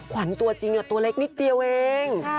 วันตัวจริงตัวเล็กนิดเดียวเอง